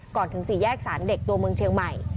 ถึงสี่แยกสารเด็กตัวเมืองเชียงใหม่